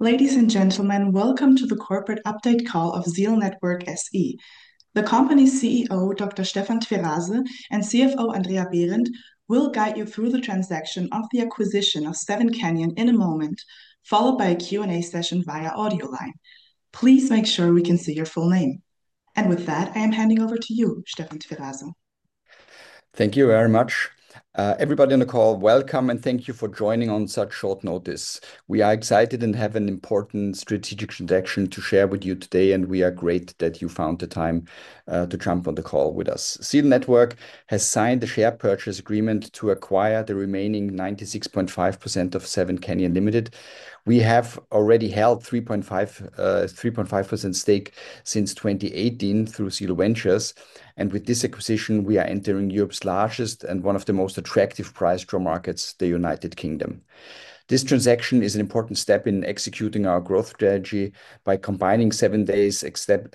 Ladies and gentlemen, welcome to the Corporate Update Call of ZEAL Network SE. The company's CEO, Dr. Stefan Tweraser, and CFO, Andrea Behrendt, will guide you through the transaction of the acquisition of SevenCanyon in a moment, followed by a Q&A session via audio line. Please make sure we can see your full name. With that, I am handing over to you, Stefan Tweraser. Thank you very much. Everybody on the call, welcome, and thank you for joining on such short notice. We are excited and have an important strategic transaction to share with you today, and we are grateful that you found the time to jump on the call with us. ZEAL Network has signed the share purchase agreement to acquire the remaining 96.5% of SevenCanyon Limited. We have already held 3.5% stake since 2018 through ZEAL Ventures. With this acquisition, we are entering Europe's largest and one of the most attractive prize draw markets, the United Kingdom. This transaction is an important step in executing our growth strategy by combining 7days'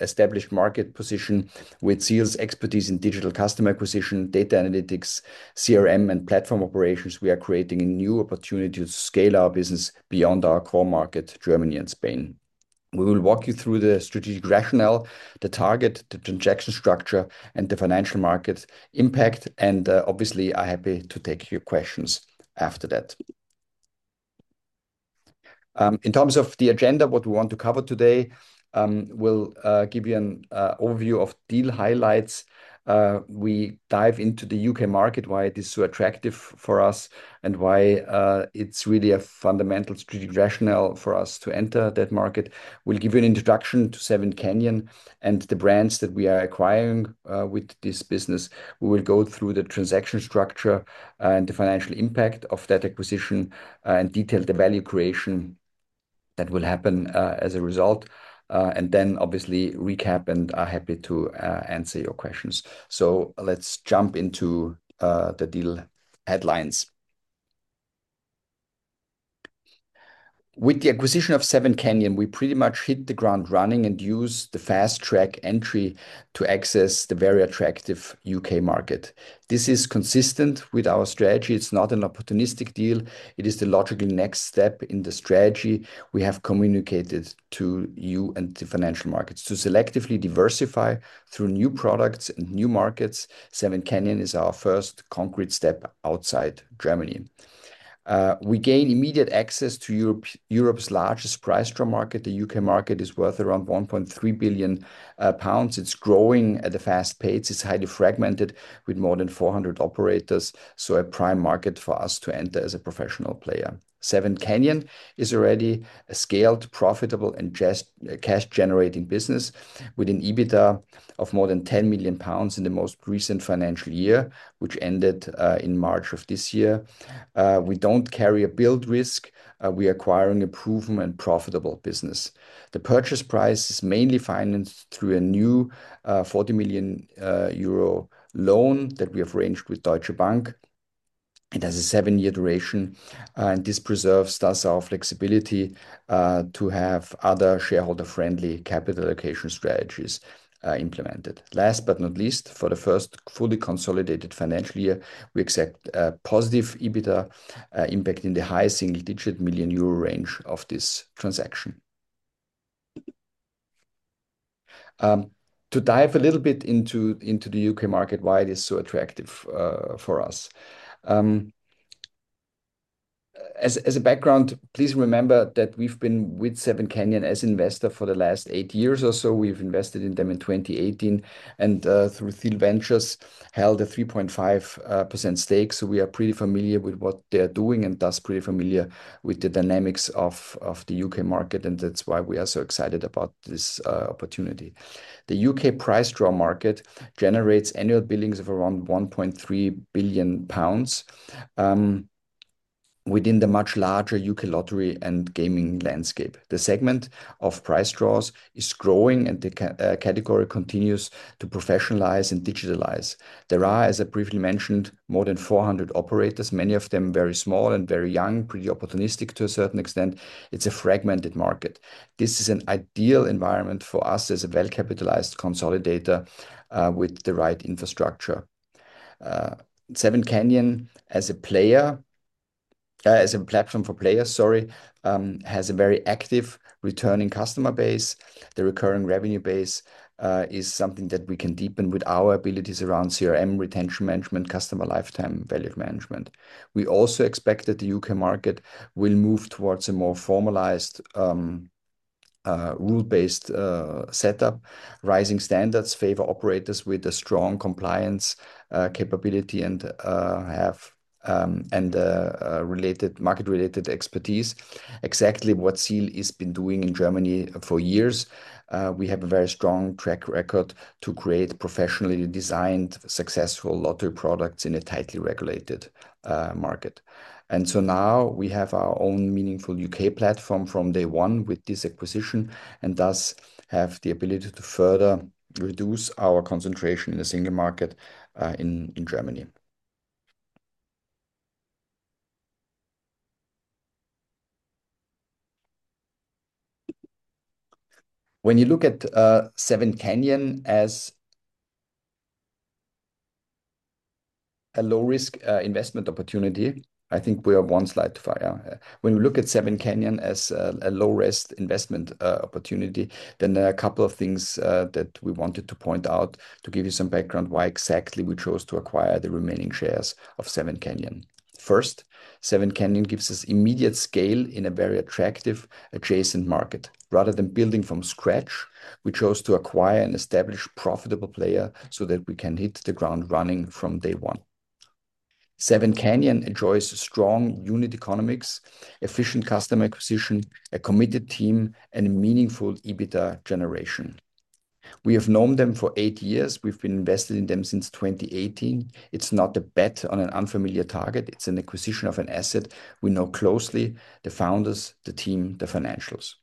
established market position with ZEAL's expertise in digital customer acquisition, data analytics, CRM, and platform operations. We are creating a new opportunity to scale our business beyond our core market, Germany and Spain. We will walk you through the strategic rationale, the target, the transaction structure, and the financial markets impact, and obviously are happy to take your questions after that. In terms of the agenda, what we want to cover today, we'll give you an overview of deal highlights. We dive into the U.K. market, why it is so attractive for us, and why it's really a fundamental strategic rationale for us to enter that market. We'll give you an introduction to SevenCanyon and the brands that we are acquiring with this business. We will go through the transaction structure and the financial impact of that acquisition, and detail the value creation that will happen as a result. Then obviously recap, and are happy to answer your questions. Let's jump into the deal headlines. With the acquisition of SevenCanyon, we pretty much hit the ground running and use the fast-track entry to access the very attractive U.K. market. This is consistent with our strategy. It's not an opportunistic deal. It is the logical next step in the strategy we have communicated to you and to financial markets to selectively diversify through new products and new markets. SevenCanyon is our first concrete step outside Germany. We gain immediate access to Europe's largest prize draw market. The U.K. market is worth around 1.3 billion pounds. It's growing at a fast pace. It's highly fragmented with more than 400 operators, so a prime market for us to enter as a professional player. SevenCanyon is already a scaled, profitable, and cash-generating business with an EBITDA of more than 10 million pounds in the most recent financial year, which ended in March of this year. We don't carry a build risk. We are acquiring a proven and profitable business. The purchase price is mainly financed through a new 40 million euro loan that we have arranged with Deutsche Bank. It has a seven-year duration, and this preserves thus our flexibility to have other shareholder-friendly capital allocation strategies implemented. Last but not least, for the first fully consolidated financial year, we accept a positive EBITDA impact in the high single-digit million euro range of this transaction. To dive a little bit into the U.K. market, why it is so attractive for us. As a background, please remember that we've been with SevenCanyon as investor for the last eight years or so. We've invested in them in 2018, and through ZEAL Ventures, held a 3.5% stake. We are pretty familiar with what they're doing and thus pretty familiar with the dynamics of the U.K. market, and that's why we are so excited about this opportunity. The U.K. prize draw market generates annual billings of around 1.3 billion pounds within the much larger U.K. lottery and gaming landscape. The segment of prize draws is growing. The category continues to professionalize and digitalize. There are, as I briefly mentioned, more than 400 operators, many of them very small and very young, pretty opportunistic to a certain extent. It's a fragmented market. This is an ideal environment for us as a well-capitalized consolidator with the right infrastructure. SevenCanyon, as a platform for players, has a very active returning customer base. The recurring revenue base is something that we can deepen with our abilities around CRM, retention management, customer lifetime value management. We also expect that the U.K. market will move towards a more formalized rule-based setup. Rising standards favor operators with a strong compliance capability and market-related expertise. Exactly what ZEAL has been doing in Germany for years. We have a very strong track record to create professionally designed, successful lottery products in a tightly regulated market. Now we have our own meaningful U.K. platform from day one with this acquisition. Thus, have the ability to further reduce our concentration in a single market in Germany. When you look at SevenCanyon as a low-risk investment opportunity. I think we are one slide. When we look at SevenCanyon as a low-risk investment opportunity, there are a couple of things that we wanted to point out to give you some background why exactly we chose to acquire the remaining shares of SevenCanyon. First, SevenCanyon gives us immediate scale in a very attractive adjacent market. Rather than building from scratch, we chose to acquire an established profitable player so that we can hit the ground running from day one. SevenCanyon enjoys strong unit economics, efficient customer acquisition, a committed team, and a meaningful EBITDA generation. We have known them for eight years. We've been invested in them since 2018. It's not a bet on an unfamiliar target. It's an acquisition of an asset. We know closely the founders, the team, the financials.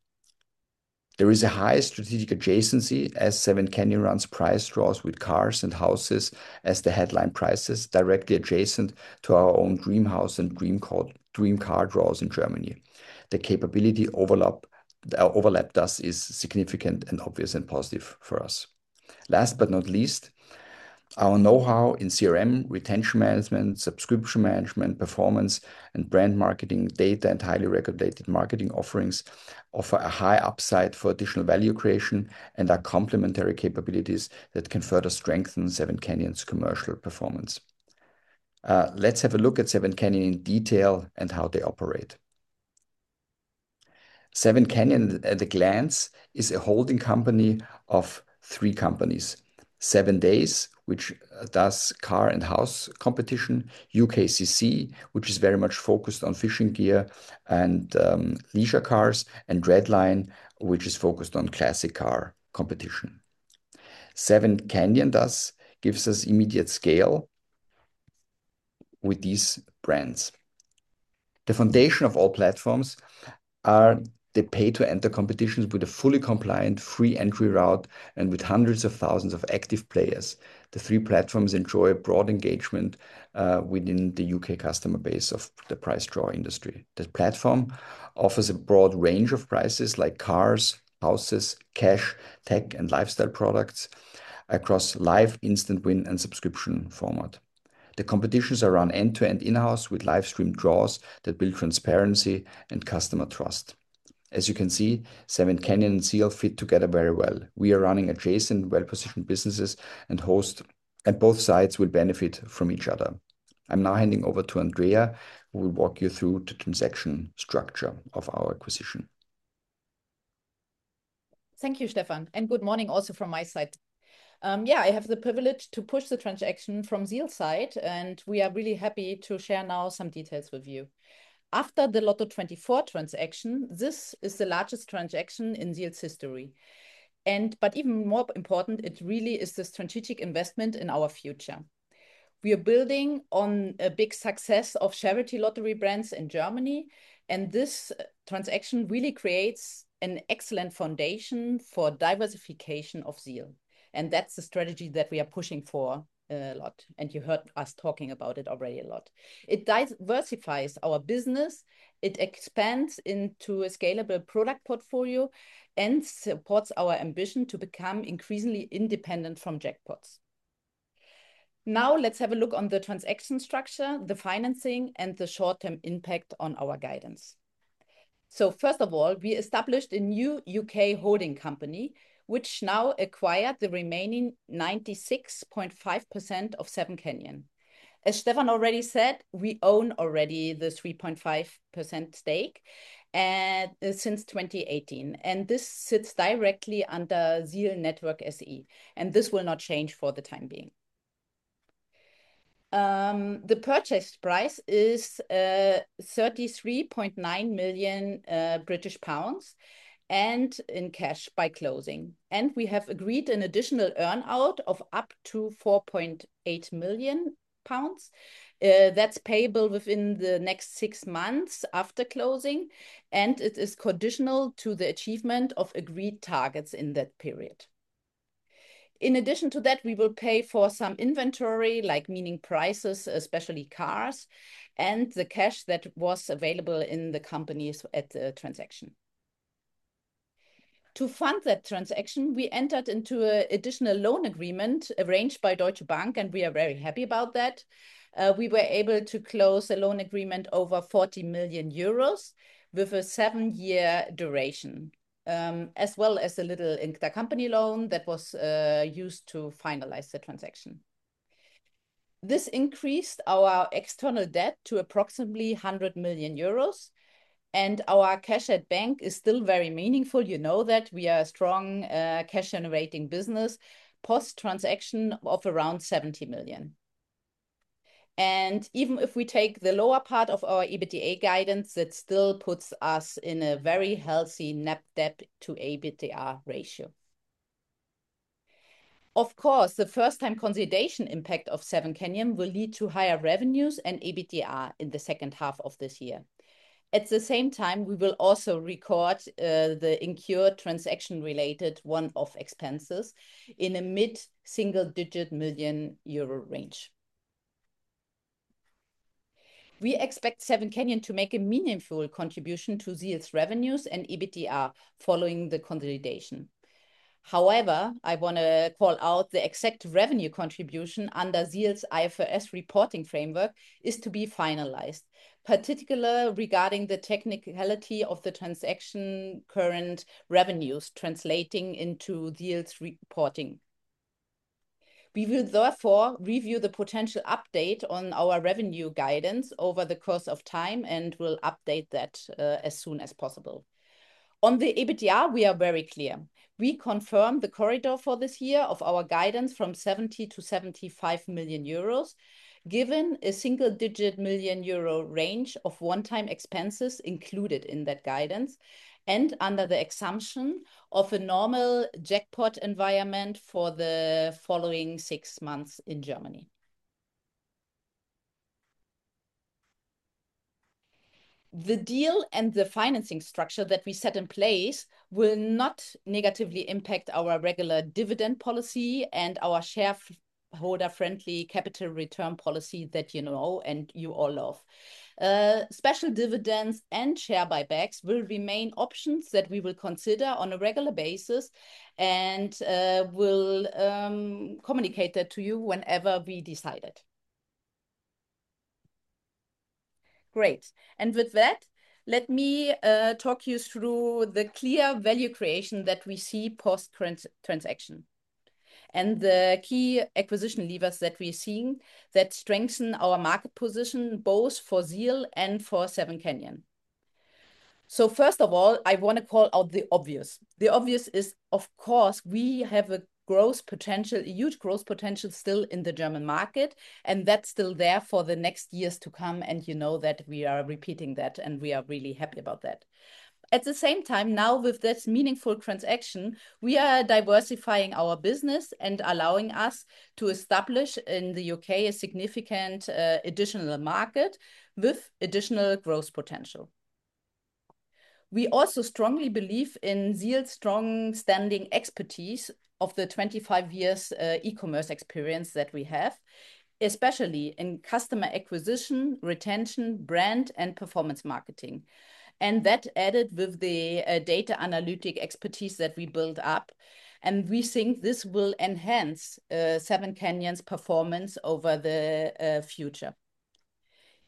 There is a high strategic adjacency as SevenCanyon runs prize draws with cars and houses as the headline prizes directly adjacent to our own dream house and dream car draws in Germany. The capability overlap thus is significant and obvious and positive for us. Last but not least, our knowhow in CRM, retention management, subscription management, performance and brand marketing, data and highly regulated marketing offerings offer a high upside for additional value creation and are complementary capabilities that can further strengthen SevenCanyon's commercial performance. Let's have a look at SevenCanyon in detail and how they operate. SevenCanyon at a glance is a holding company of three companies, 7days, which does car and house competition, UKCC, which is very much focused on fishing gear and leisure cars, and Redline, which is focused on classic car competition. SevenCanyon thus gives us immediate scale with these brands. The foundation of all platforms are the pay-to-enter competitions with a fully compliant free entry route and with hundreds of thousands of active players. The three platforms enjoy broad engagement within the U.K. customer base of the prize draw industry. The platform offers a broad range of prizes like cars, houses, cash, tech, and lifestyle products across live, instant win, and subscription format. The competitions are run end-to-end in-house with live-streamed draws that build transparency and customer trust. As you can see, SevenCanyon and ZEAL fit together very well. We are running adjacent well-positioned businesses, and both sides will benefit from each other. I am now handing over to Andrea, who will walk you through the transaction structure of our acquisition. Thank you, Stefan, and good morning also from my side. I have the privilege to push the transaction from ZEAL's side, and we are really happy to share now some details with you. After the LOTTO24 transaction, this is the largest transaction in ZEAL's history. Even more important, it really is the strategic investment in our future. We are building on a big success of charity lottery brands in Germany, and this transaction really creates an excellent foundation for diversification of ZEAL, and that is the strategy that we are pushing for a lot, and you heard us talking about it already a lot. It diversifies our business, it expands into a scalable product portfolio, and supports our ambition to become increasingly independent from jackpots. Let's have a look on the transaction structure, the financing, and the short-term impact on our guidance. First of all, we established a new U.K. holding company, which now acquired the remaining 96.5% of SevenCanyon. As Stefan already said, we own already the 3.5% stake since 2018, and this sits directly under ZEAL Network SE, and this will not change for the time being. The purchase price is 33.9 million British pounds and in cash by closing. We have agreed an additional earn-out of up to 4.8 million pounds. That is payable within the next six months after closing, and it is conditional to the achievement of agreed targets in that period. In addition to that, we will pay for some inventory, meaning prizes, especially cars, and the cash that was available in the companies at the transaction. To fund that transaction, we entered into an additional loan agreement arranged by Deutsche Bank, and we are very happy about that. We were able to close a loan agreement over 40 million euros with a seven-year duration, as well as a little intercompany loan that was used to finalize the transaction. This increased our external debt to approximately 100 million euros. Our cash at bank is still very meaningful, you know that we are a strong cash-generating business, post-transaction of around 70 million. Even if we take the lower part of our EBITDA guidance, it still puts us in a very healthy net debt to EBITDA ratio. Of course, the first-time consolidation impact of SevenCanyon will lead to higher revenues and EBITDA in the second half of this year. At the same time, we will also record the incurred transaction-related one-off expenses in a mid-single-digit million euro range. We expect SevenCanyon to make a meaningful contribution to ZEAL's revenues and EBITDA following the consolidation. However, I want to call out the exact revenue contribution under ZEAL's IFRS reporting framework is to be finalized, particular regarding the technicality of the transaction current revenues translating into ZEAL's reporting. We will therefore review the potential update on our revenue guidance over the course of time, and we'll update that as soon as possible. On the EBITDA, we are very clear. We confirm the corridor for this year of our guidance from 70 million-75 million euros, given a single-digit million euro range of one-time expenses included in that guidance, under the assumption of a normal jackpot environment for the following six months in Germany. The deal and the financing structure that we set in place will not negatively impact our regular dividend policy and our shareholder-friendly capital return policy that you know, you all love. Special dividends and share buybacks will remain options that we will consider on a regular basis and will communicate that to you whenever we decide it. Great. With that, let me talk you through the clear value creation that we see post-transaction, and the key acquisition levers that we're seeing that strengthen our market position, both for ZEAL and for SevenCanyon. First of all, I want to call out the obvious. The obvious is, of course, we have a huge growth potential still in the German market, that's still there for the next years to come, you know that we are repeating that, we are really happy about that. At the same time, now with this meaningful transaction, we are diversifying our business and allowing us to establish in the U.K. a significant additional market with additional growth potential. We also strongly believe in ZEAL's strong standing expertise of the 25 years e-commerce experience that we have, especially in customer acquisition, retention, brand, and performance marketing. That added with the data analytic expertise that we built up, we think this will enhance SevenCanyon's performance over the future.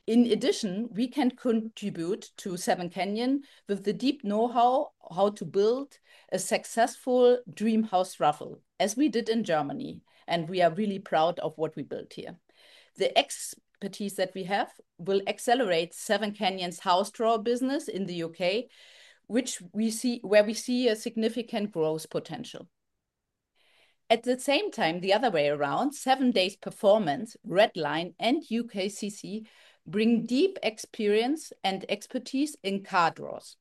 In addition, we can contribute to SevenCanyon with the deep knowhow, how to build a successful Dream House Raffle, as we did in Germany, we are really proud of what we built here. The expertise that we have will accelerate SevenCanyon's house draw business in the U.K., where we see a significant growth potential. At the same time, the other way around, 7days Performance, Redline, and UKCC bring deep experience and expertise in car draws.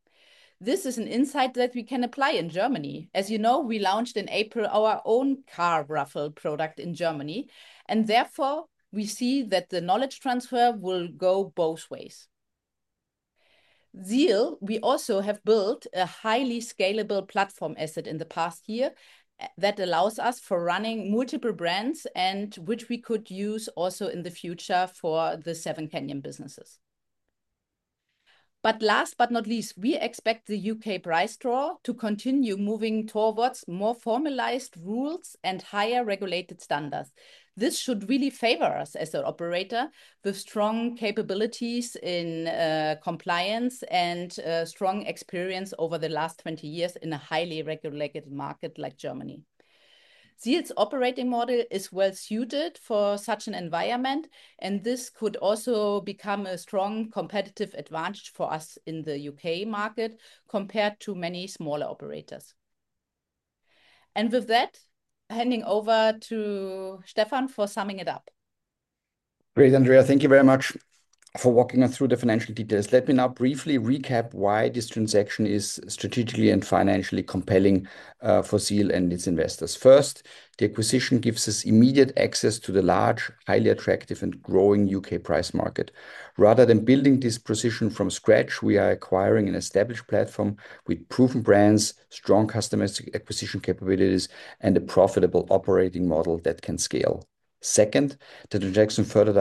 This is an insight that we can apply in Germany. As you know, we launched in April our own car raffle product in Germany, therefore, we see that the knowledge transfer will go both ways. ZEAL, we also have built a highly scalable platform asset in the past year that allows us for running multiple brands and which we could use also in the future for the SevenCanyon businesses. Last but not least, we expect the U.K. prize draw to continue moving towards more formalized rules and higher regulated standards. This should really favor us as an operator with strong capabilities in compliance and strong experience over the last 20 years in a highly regulated market like Germany. ZEAL's operating model is well-suited for such an environment, this could also become a strong competitive advantage for us in the U.K. market compared to many smaller operators. With that, handing over to Stefan for summing it up. Great, Andrea. Thank you very much for walking us through the financial details. Let me now briefly recap why this transaction is strategically and financially compelling for ZEAL and its investors. First, the acquisition gives us immediate access to the large, highly attractive, and growing U.K. prize market. Rather than building this position from scratch, we are acquiring an established platform with proven brands, strong customer acquisition capabilities, and a profitable operating model that can scale. Second, the transaction further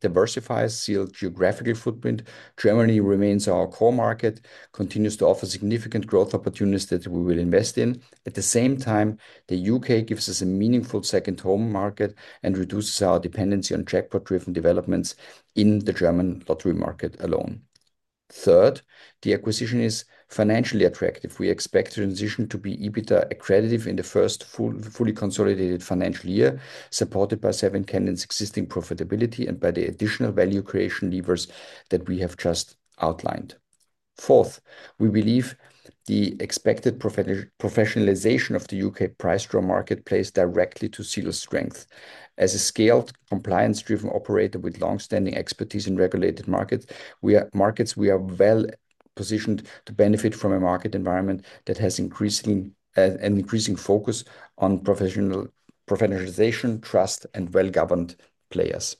diversifies ZEAL's geographical footprint. Germany remains our core market, continues to offer significant growth opportunities that we will invest in. At the same time, the U.K. gives us a meaningful second home market and reduces our dependency on jackpot-driven developments in the German lottery market alone. Third, the acquisition is financially attractive. We expect the transition to be EBITDA-accretive in the first fully consolidated financial year, supported by SevenCanyon's existing profitability and by the additional value creation levers that we have just outlined. Fourth, we believe the expected professionalization of the U.K. prize draw market plays directly to ZEAL's strength. As a scaled, compliance-driven operator with longstanding expertise in regulated markets, we are well-positioned to benefit from a market environment that has an increasing focus on professionalization, trust, and well-governed players.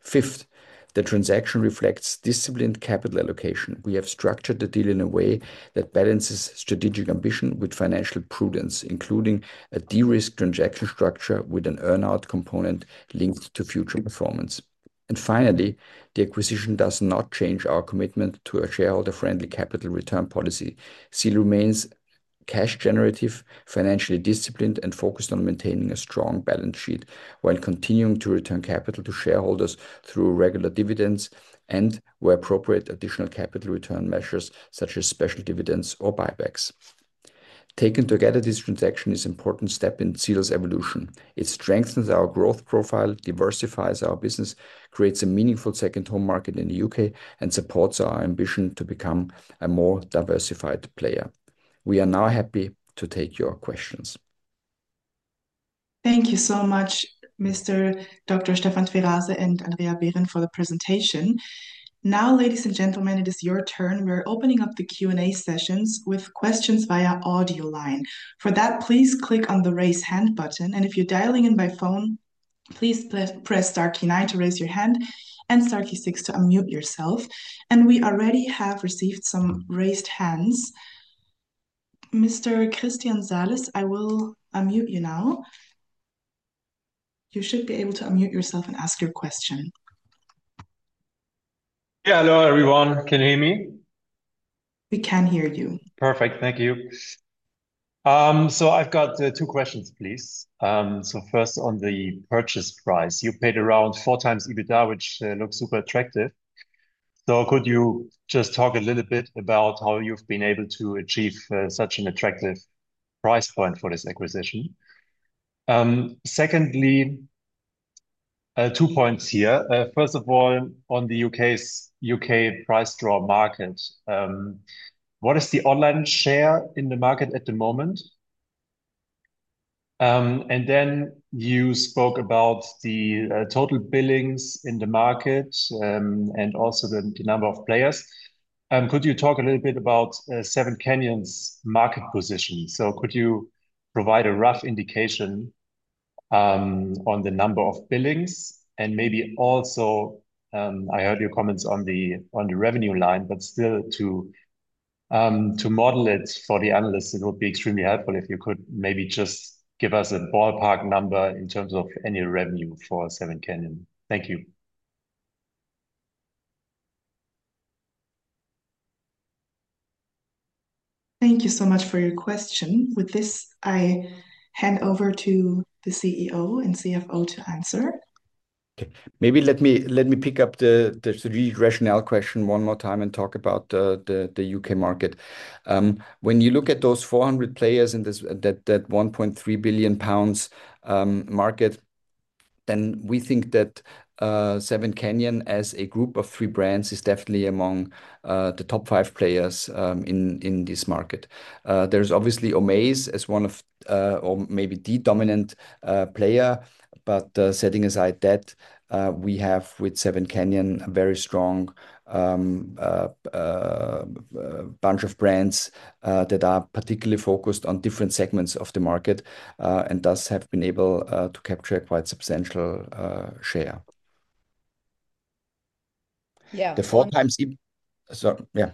Fifth, the transaction reflects disciplined capital allocation. We have structured the deal in a way that balances strategic ambition with financial prudence, including a de-risk transaction structure with an earn-out component linked to future performance. Finally, the acquisition does not change our commitment to a shareholder-friendly capital return policy. ZEAL remains cash generative, financially disciplined, and focused on maintaining a strong balance sheet while continuing to return capital to shareholders through regular dividends and, where appropriate, additional capital return measures such as special dividends or buybacks. Taken together, this transaction is important step in ZEAL's evolution. It strengthens our growth profile, diversifies our business, creates a meaningful second home market in the U.K., and supports our ambition to become a more diversified player. We are now happy to take your questions. Thank you so much, Dr. Stefan Tweraser and Andrea Behrendt for the presentation. Ladies and gentlemen, it is your turn. We're opening up the Q&A sessions with questions via audio line. For that, please click on the Raise Hand button. If you're dialing in by phone, please press star key nine to raise your hand and star key six to unmute yourself. We already have received some raised hands. Mr. Christian Salis, I will unmute you now. You should be able to unmute yourself and ask your question. Yeah. Hello, everyone. Can you hear me? We can hear you. Perfect. Thank you. I've got two questions, please. First on the purchase price. You paid around 4x EBITDA, which looks super attractive. Could you just talk a little bit about how you've been able to achieve such an attractive price point for this acquisition? Secondly, two points here. First of all, on the U.K. prize draw market. What is the online share in the market at the moment? You spoke about the total billings in the market, and also the number of players. Could you talk a little bit about SevenCanyon's market position? Could you provide a rough indication on the number of billings? Maybe also, I heard your comments on the revenue line, but still to model it for the analysts, it would be extremely helpful if you could maybe just give us a ballpark number in terms of annual revenue for SevenCanyon. Thank you. Thank you so much for your question. With this, I hand over to the CEO and CFO to answer. Maybe let me pick up the rationale question one more time and talk about the U.K. market. When you look at those 400 players in that 1.3 billion pounds market, we think that SevenCanyon, as a group of three brands, is definitely among the top five players in this market. There's obviously Omaze as one of, or maybe the dominant player. Setting aside that, we have with SevenCanyon a very strong bunch of brands that are particularly focused on different segments of the market, and thus have been able to capture a quite substantial share. Yeah. Sorry. Yeah.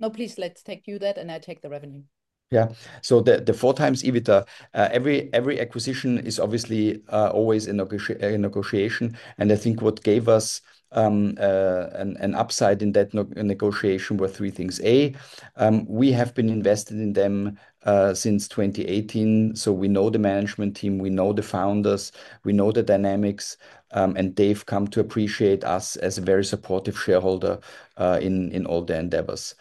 No, please, let's take you that and I take the revenue. Yeah. The 4x EBITDA. Every acquisition is obviously always a negotiation. I think what gave us an upside in that negotiation were three things. A, we have been invested in them since 2018, so we know the management team, we know the founders, we know the dynamics, and they've come to appreciate us as a very supportive shareholder in all their endeavors.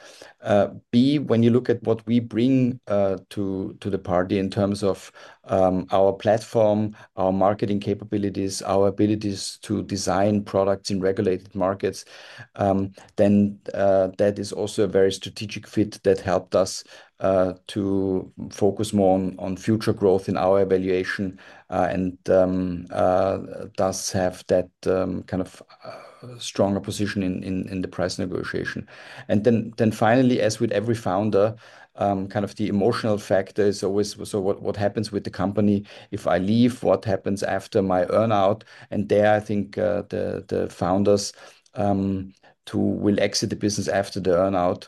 B, when you look at what we bring to the party in terms of our platform, our marketing capabilities, our abilities to design products in regulated markets, then that is also a very strategic fit that helped us to focus more on future growth in our evaluation and thus have that kind of stronger position in the price negotiation. Finally, as with every founder, kind of the emotional factor is always, so what happens with the company if I leave? What happens after my earn-out? There, I think the founders who will exit the business after the earn-out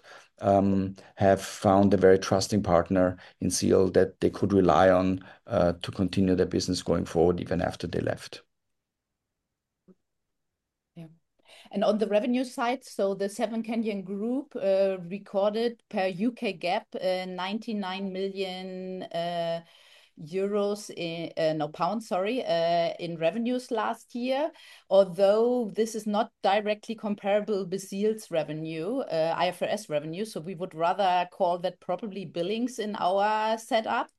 have found a very trusting partner in ZEAL that they could rely on to continue their business going forward, even after they left. Yes. On the revenue side, the SevenCanyon group recorded, per U.K. GAAP, GBP 99 million in revenues last year. Although this is not directly comparable with ZEAL's IFRS revenue, we would rather call that probably billings in our setup.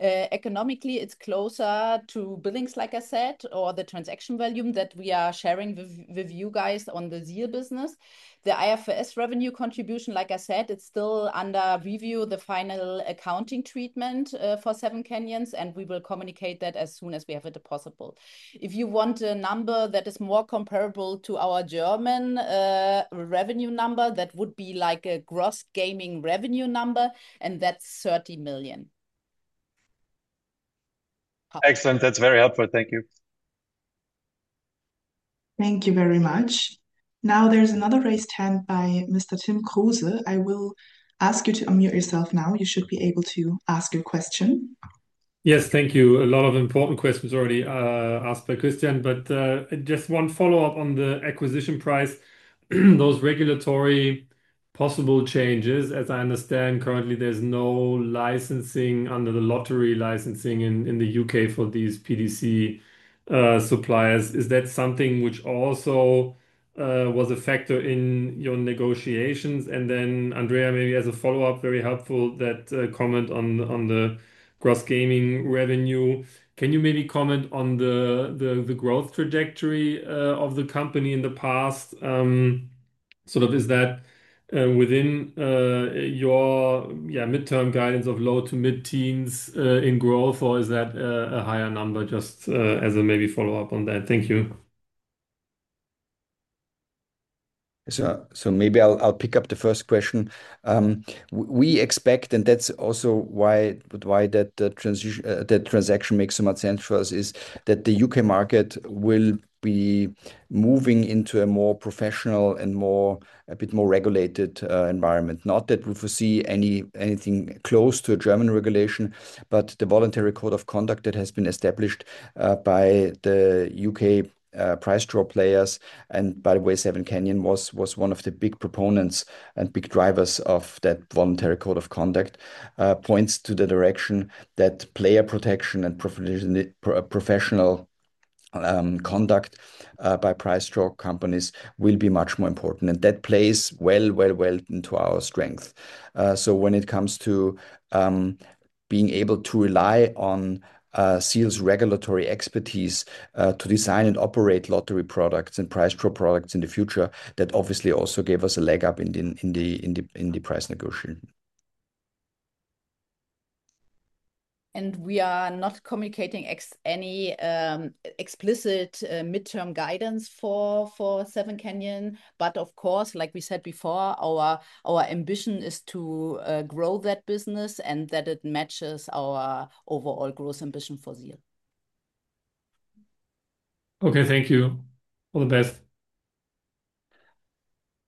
Economically, it's closer to billings, like I said, or the transaction volume that we are sharing with you guys on the ZEAL business. The IFRS revenue contribution, like I said, it's still under review, the final accounting treatment for SevenCanyon, and we will communicate that as soon as we have it possible. If you want a number that is more comparable to our German revenue number, that would be like a gross gaming revenue number, and that's 30 million. Excellent. That's very helpful. Thank you. Thank you very much. Now there's another raised hand by Mr. Tim Kruse. I will ask you to unmute yourself now. You should be able to ask your question. Yes. Thank you. A lot of important questions already asked by Christian, but just one follow-up on the acquisition price. Those regulatory possible changes, as I understand currently, there's no licensing under the lottery licensing in the U.K. for these PDC suppliers. Is that something which also was a factor in your negotiations? Andrea, maybe as a follow-up, very helpful that comment on the gross gaming revenue. Can you maybe comment on the growth trajectory of the company in the past? Is that within your midterm guidance of low to mid-teens in growth, or is that a higher number? Just as a maybe follow-up on that. Thank you. Maybe I'll pick up the first question. We expect, and that's also why that transaction makes so much sense for us, is that the U.K. market will be moving into a more professional and a bit more regulated environment. Not that we foresee anything close to a German regulation, but the voluntary code of conduct that has been established by the U.K. prize draw players, and by the way, SevenCanyon was one of the big proponents and big drivers of that voluntary code of conduct, points to the direction that player protection and professional conduct by prize draw companies will be much more important. That plays well into our strength. When it comes to being able to rely on ZEAL's regulatory expertise to design and operate lottery products and prize draw products in the future, that obviously also gave us a leg up in the price negotiation. We are not communicating any explicit midterm guidance for SevenCanyon. Of course, like we said before, our ambition is to grow that business and that it matches our overall growth ambition for ZEAL. Okay. Thank you. All the best.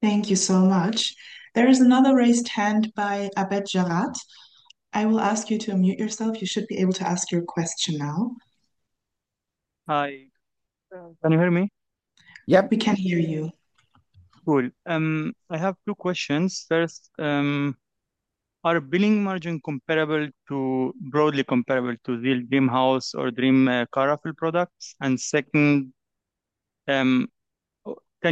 Thank you so much. There is another raised hand by Abed Jarad. I will ask you to unmute yourself. You should be able to ask your question now. Hi. Can you hear me? Yep, we can hear you. Cool. I have two questions. First, are billing margin broadly comparable to ZEAL Dream House or Dream Car Raffle products? Second, can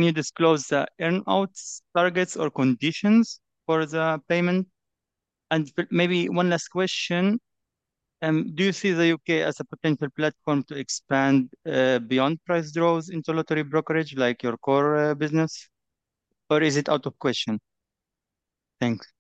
you disclose the earn-outs targets or conditions for the payment? Maybe one last question, do you see the U.K. as a potential platform to expand beyond prize draws into lottery brokerage, like your core business, or is it out of question? Thanks.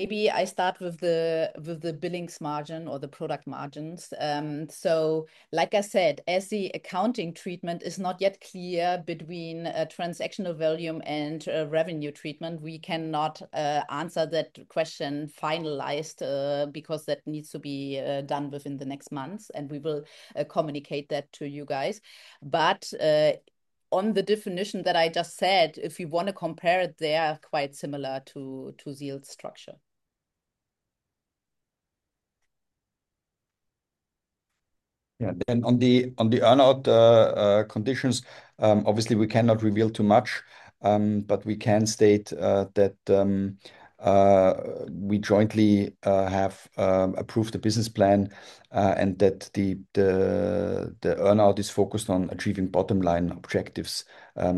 Maybe I start with the billings margin or the product margins. Like I said, as the accounting treatment is not yet clear between transactional volume and revenue treatment, we cannot answer that question finalized because that needs to be done within the next months, and we will communicate that to you guys. On the definition that I just said, if you want to compare it, they are quite similar to ZEAL's structure. Yeah. On the earn-out conditions, obviously, we cannot reveal too much, but we can state that we jointly have approved the business plan and that the earn-out is focused on achieving bottom-line objectives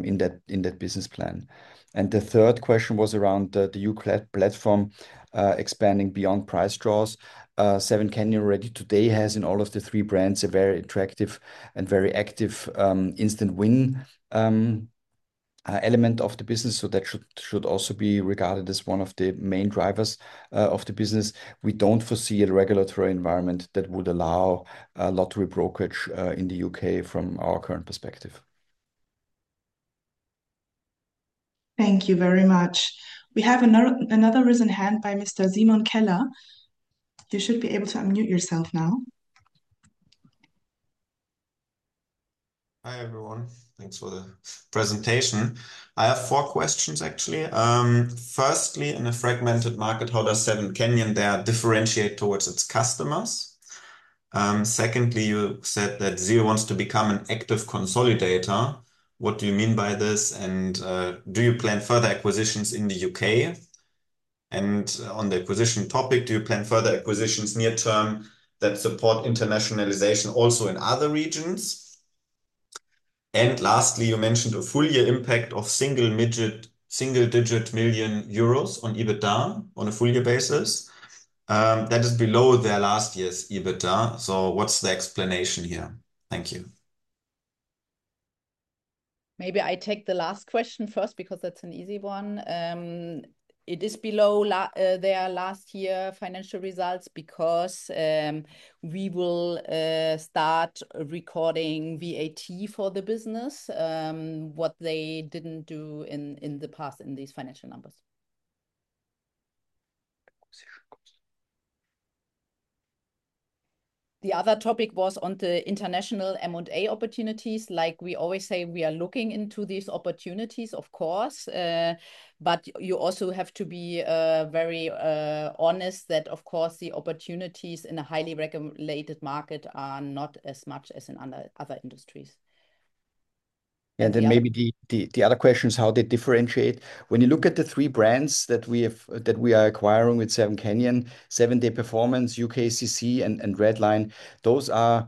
in that business plan. The third question was around the U.K. platform expanding beyond prize draws. SevenCanyon already today has, in all of the three brands, a very attractive and very active instant win element of the business. That should also be regarded as one of the main drivers of the business. We don't foresee a regulatory environment that would allow lottery brokerage in the U.K. from our current perspective. Thank you very much. We have another risen hand by Mr. Simon Keller. You should be able to unmute yourself now. Hi, everyone. Thanks for the presentation. I have four questions, actually. Firstly, in a fragmented market, how does SevenCanyon there differentiate towards its customers? Secondly, you said that ZEAL wants to become an active consolidator. What do you mean by this, and do you plan further acquisitions in the U.K.? On the acquisition topic, do you plan further acquisitions near term that support internationalization also in other regions? Lastly, you mentioned a full-year impact of single-digit million euros on EBITDA on a full-year basis. That is below their last year's EBITDA. What's the explanation here? Thank you. Maybe I take the last question first because that's an easy one. It is below their last year financial results because we will start recording VAT for the business, what they didn't do in the past in these financial numbers. The other topic was on the international M&A opportunities. We always say, we are looking into these opportunities, of course. You also have to be very honest that, of course, the opportunities in a highly regulated market are not as much as in other industries. Maybe the other question is how they differentiate. When you look at the three brands that we are acquiring with SevenCanyon, 7days Performance, UKCC, and Redline, those are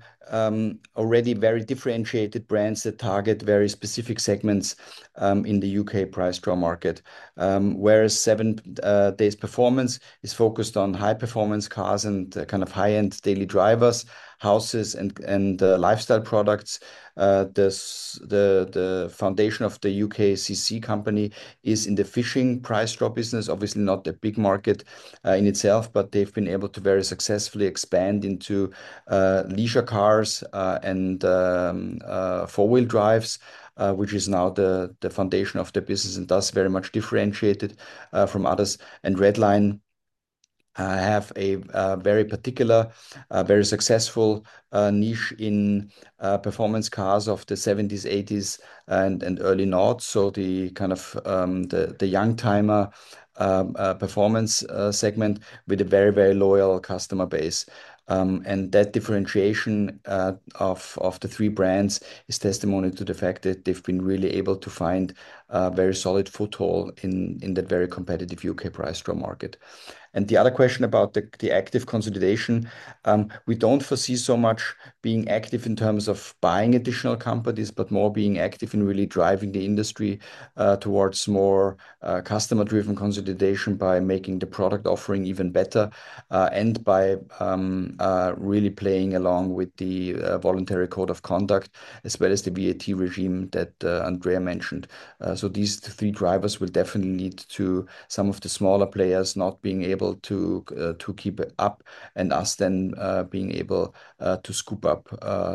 already very differentiated brands that target very specific segments in the U.K. prize draw market. Whereas 7days Performance is focused on high performance cars and kind of high-end daily drivers, houses, and lifestyle products. The foundation of the UKCC company is in the fishing prize draw business. Obviously not a big market in itself, but they've been able to very successfully expand into leisure cars and four-wheel drives, which is now the foundation of their business, and thus very much differentiated from others. Redline have a very particular, very successful niche in performance cars of the '70s, '80s, and early noughts. The kind of the young timer performance segment with a very loyal customer base. That differentiation of the three brands is testimony to the fact that they've been really able to find a very solid foothold in the very competitive U.K. prize draw market. The other question about the active consolidation. We don't foresee so much being active in terms of buying additional companies, but more being active in really driving the industry towards more customer-driven consolidation by making the product offering even better, and by really playing along with the Voluntary Code of Conduct as well as the VAT regime that Andrea mentioned. These three drivers will definitely lead to some of the smaller players not being able to keep up, and us then being able to scoop up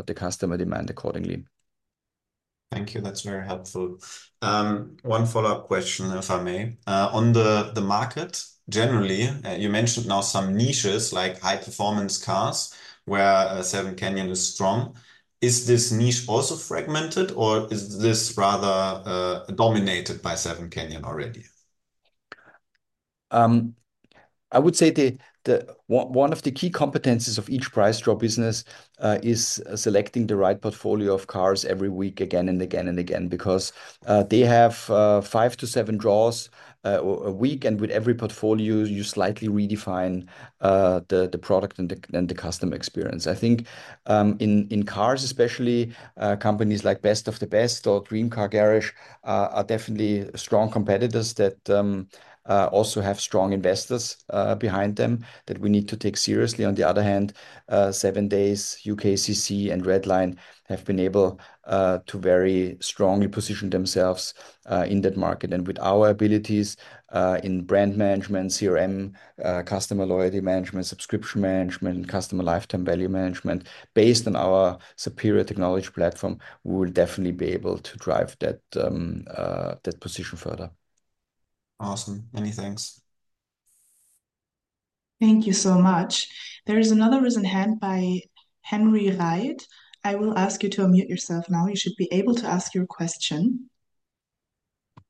the customer demand accordingly. Thank you. That's very helpful. One follow-up question, if I may. On the market generally, you mentioned now some niches like high performance cars where SevenCanyon is strong. Is this niche also fragmented, or is this rather dominated by SevenCanyon already? I would say one of the key competencies of each prize draw business is selecting the right portfolio of cars every week again and again and again. They have five to seven draws a week, and with every portfolio you slightly redefine the product and the customer experience. I think in cars especially, companies like Best of the Best or Dream Car Garage are definitely strong competitors that also have strong investors behind them that we need to take seriously. On the other hand, 7days, UKCC, and Redline have been able to very strongly position themselves in that market. With our abilities in brand management, CRM, customer loyalty management, subscription management, customer lifetime value management, based on our superior technology platform, we will definitely be able to drive that position further. Awesome. Many thanks. Thank you so much. There is another raised hand by Henry Reid. I will ask you to unmute yourself now. You should be able to ask your question.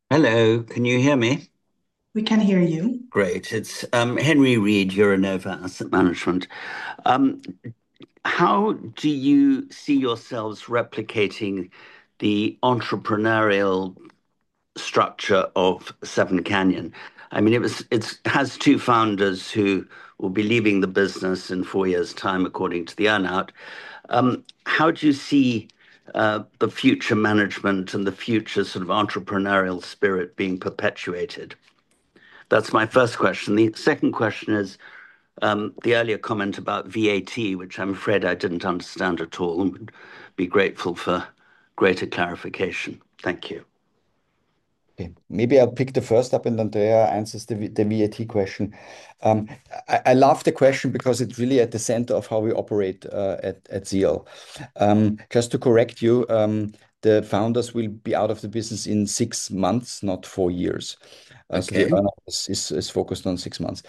Hello, can you hear me? We can hear you. Great. It's Henry Reid, Euronova Asset Management. How do you see yourselves replicating the entrepreneurial structure of SevenCanyon? I mean, it has two founders who will be leaving the business in four years' time, according to the earn-out. How do you see the future management and the future sort of entrepreneurial spirit being perpetuated? That's my first question. The second question is the earlier comment about VAT, which I'm afraid I didn't understand at all, and would be grateful for greater clarification. Thank you. Okay. Maybe I'll pick the first up, and Andrea answers the VAT question. I love the question because it's really at the center of how we operate at ZEAL. Just to correct you, the founders will be out of the business in six months, not four years. Okay. The earn-out is focused on six months.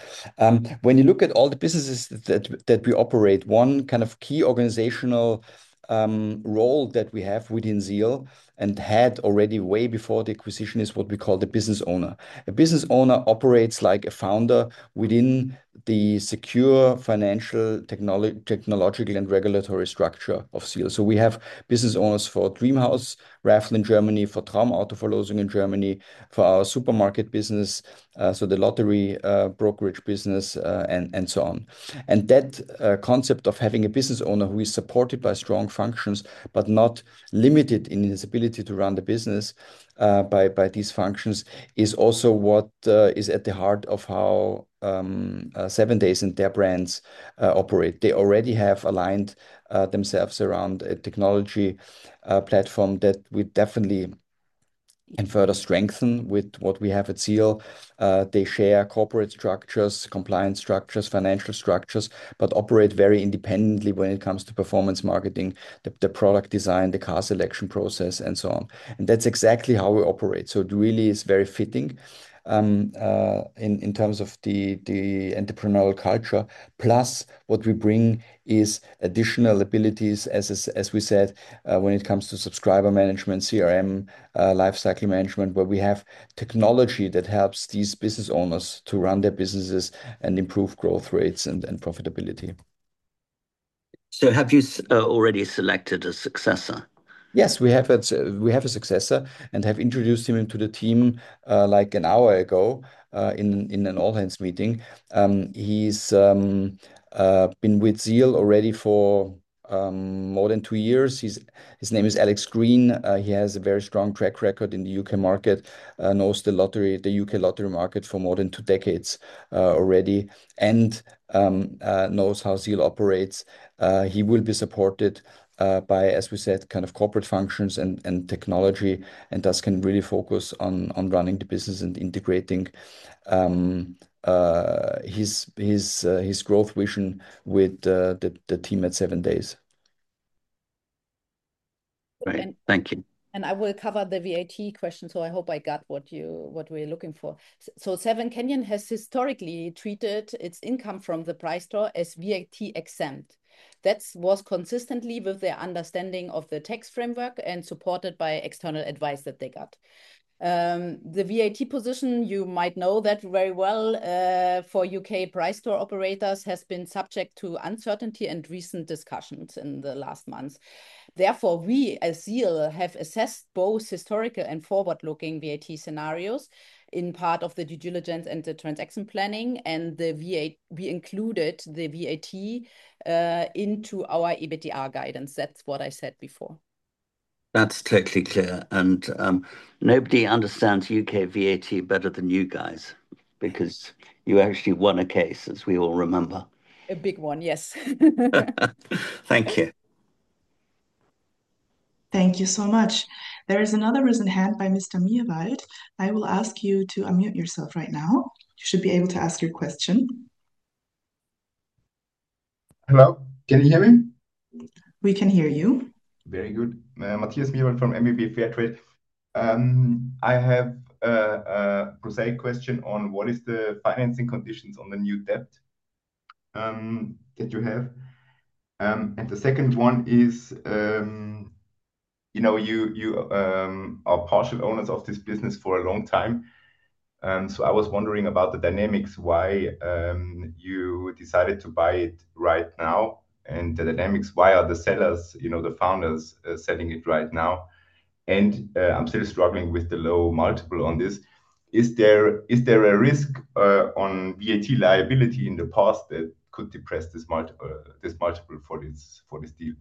When you look at all the businesses that we operate, one kind of key organizational role that we have within ZEAL, and had already way before the acquisition, is what we call the business owner. A business owner operates like a founder within the secure financial, technological, and regulatory structure of ZEAL. We have business owners for Dream House Raffle in Germany, for Traumautoverlosung in Germany, for our supermarket business, so the lottery brokerage business, and so on. That concept of having a business owner who is supported by strong functions but not limited in his ability to run the business by these functions is also what is at the heart of how 7days and their brands operate. They already have aligned themselves around a technology platform that we definitely [inaudible] and further strengthen with what we have at ZEAL. They share corporate structures, compliance structures, financial structures, but operate very independently when it comes to performance marketing, the product design, the car selection process, and so on. That's exactly how we operate. It really is very fitting in terms of the entrepreneurial culture. Plus, what we bring is additional abilities, as we said, when it comes to subscriber management, CRM, lifecycle management, where we have technology that helps these business owners to run their businesses and improve growth rates and profitability. Have you already selected a successor? Yes, we have a successor and have introduced him into the team like an hour ago in an all-hands meeting. He's been with ZEAL already for more than two years. His name is Alex Green. He has a very strong track record in the U.K. market, knows the U.K. lottery market for more than two decades already, and knows how ZEAL operates. He will be supported by, as we said, corporate functions and technology, and thus can really focus on running the business and integrating his growth vision with the team at 7days. Great. Thank you. I will cover the VAT question, so I hope I got what we are looking for. SevenCanyon has historically treated its income from the prize draw as VAT exempt. That was consistently with their understanding of the tax framework and supported by external advice that they got. The VAT position, you might know that very well for U.K. prize draw operators, has been subject to uncertainty and recent discussions in the last months. We, as ZEAL, have assessed both historical and forward-looking VAT scenarios in part of the due diligence and the transaction planning, and we included the VAT into our EBITDA guidance. That's what I said before. That's totally clear. Nobody understands U.K. VAT better than you guys because you actually won a case, as we all remember. A big one, yes. Thank you. Thank you so much. There is another risen hand by Mr. Mirwald. I will ask you to unmute yourself right now. You should be able to ask your question. Hello. Can you hear me? We can hear you. Very good. Matthias Mirwald from MWB Fairtrade. I have a prosaic question on what is the financing conditions on the new debt that you have. The second one is, you are partial owners of this business for a long time, so I was wondering about the dynamics why you decided to buy it right now, the dynamics why are the founders selling it right now. I'm still struggling with the low multiple on this. Is there a risk on VAT liability in the past that could depress this multiple for this deal?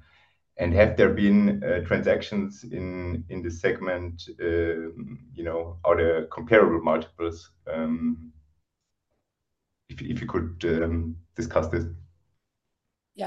Have there been transactions in this segment? Are there comparable multiples? If you could discuss this.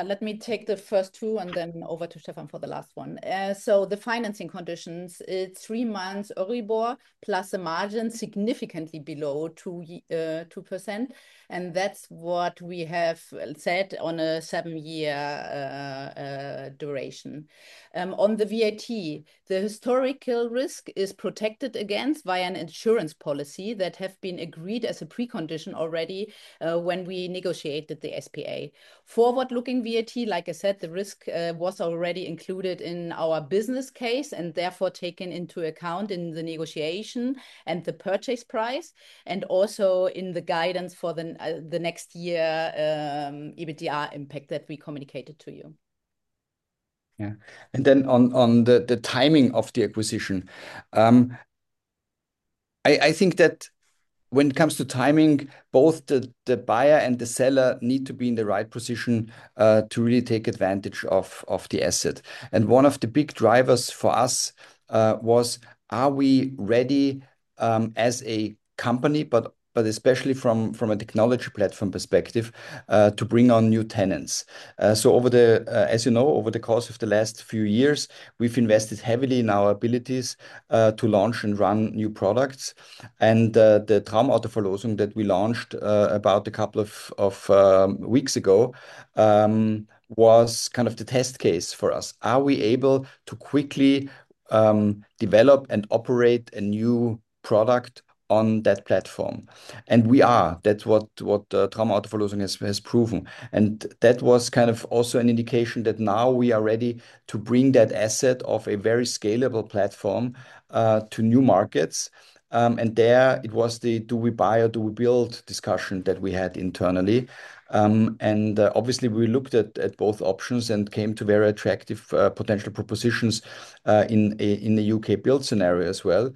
Let me take the first two and then over to Stefan for the last one. The financing conditions, it is three months EURIBOR plus a margin significantly below 2%, and that is what we have set on a seven-year duration. On the VAT, the historical risk is protected against by an insurance policy that have been agreed as a precondition already when we negotiated the SPA. Forward-looking VAT, like I said, the risk was already included in our business case, and therefore taken into account in the negotiation and the purchase price, and also in the guidance for the next year EBITDA impact that we communicated to you. On the timing of the acquisition. I think that when it comes to timing, both the buyer and the seller need to be in the right position to really take advantage of the asset. One of the big drivers for us was: Are we ready as a company, but especially from a technology platform perspective, to bring on new tenants? As you know, over the course of the last few years, we have invested heavily in our abilities to launch and run new products. The Traumautoverlosung that we launched about a couple of weeks ago was kind of the test case for us. Are we able to quickly develop and operate a new product on that platform? We are. That is what Traumautoverlosung has proven. That was kind of also an indication that now we are ready to bring that asset of a very scalable platform to new markets. There it was the do we buy or do we build discussion that we had internally. Obviously we looked at both options and came to very attractive potential propositions in the U.K. build scenario as well.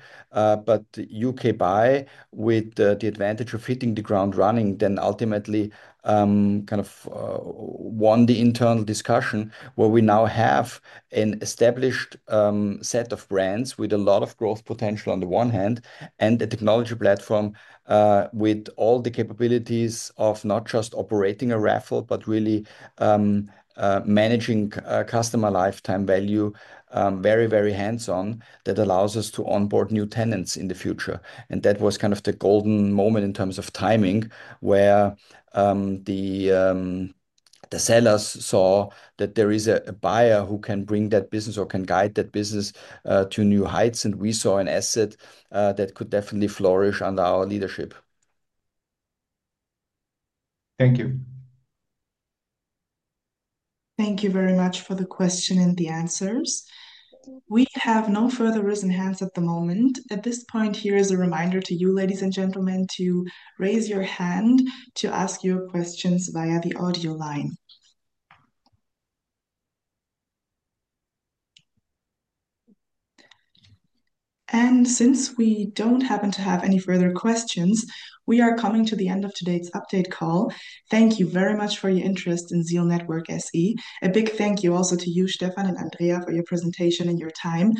U.K. buy, with the advantage of hitting the ground running, then ultimately won the internal discussion, where we now have an established set of brands with a lot of growth potential on the one hand, and a technology platform with all the capabilities of not just operating a raffle, but really managing customer lifetime value very hands-on that allows us to onboard new tenants in the future. That was kind of the golden moment in terms of timing, where the sellers saw that there is a buyer who can bring that business or can guide that business to new heights, and we saw an asset that could definitely flourish under our leadership. Thank you. Thank you very much for the question and the answers. We have no further risen hands at the moment. At this point, here is a reminder to you, ladies and gentlemen, to raise your hand to ask your questions via the audio line. Since we don't happen to have any further questions, we are coming to the end of today's update call. Thank you very much for your interest in ZEAL Network SE. A big thank you also to you, Stefan and Andrea, for your presentation and your time.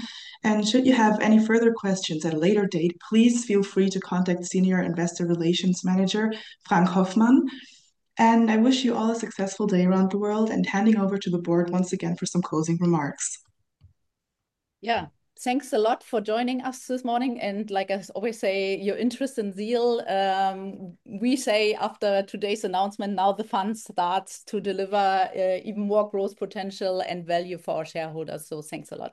Should you have any further questions at a later date, please feel free to contact Senior Investor Relations Manager, Frank Hoffmann. I wish you all a successful day around the world. Handing over to the board once again for some closing remarks. Yeah. Thanks a lot for joining us this morning. Like I always say, your interest in ZEAL, we say after today's announcement, now the fun starts to deliver even more growth potential and value for our shareholders. Thanks a lot.